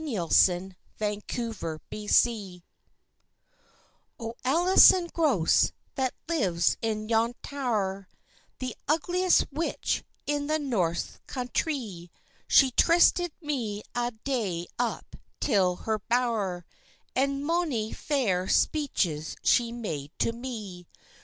ALISON GROSS O ALISON GROSS, that lives in yon tow'r, The ugliest witch in the north countrie, She trysted me ae day up till her bow'r, And mony fair speeches she made to me.